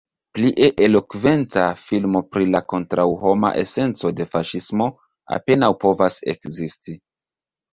Pli elokventa filmo pri la kontraŭhoma esenco de faŝismo apenaŭ povas ekzisti.